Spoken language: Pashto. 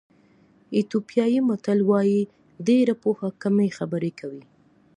ایتیوپیایي متل وایي ډېره پوهه کمې خبرې کوي.